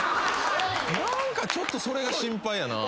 何かちょっとそれが心配やな